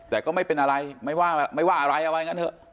แต่ก็ไม่เป็นอะไรไม่ว่าอะไรเอาไงกันเถอะ